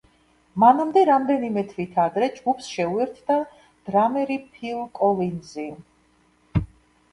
მანამდე რამდენიმე თვით ადრე ჯგუფს შეუერთდა დრამერი ფილ კოლინზი.